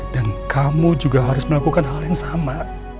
dan kamu juga harus melakukan hal yang sama